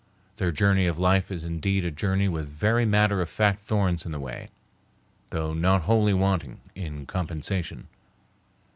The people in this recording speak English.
Their journey of life is indeed a journey with very matter of fact thorns in the way, though not wholly wanting in compensation.